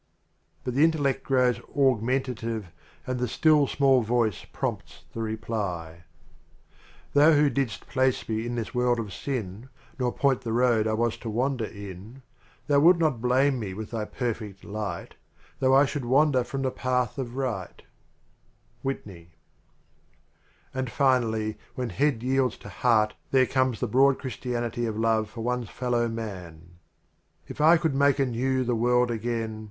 But the intellect grows augmentative and the " still small voice hH prompts the reply: Thou who didst place me in this wot Id of sin, Nur point the road I wis to wander in, Thou wilt not blame me with thy perfect ligfhi Tho' I should winder from the path of right. And finally when head yields to heart there comes the broad Christianity of love for one's fellow man : If I could mike anew the world agitn.